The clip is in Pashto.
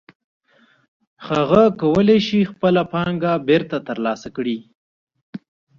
هغه کولی شي خپله پانګه بېرته ترلاسه کړي